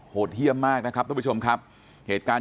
โหดเยี่ยมมากนะครับเพราะว่าด้วยชมครับ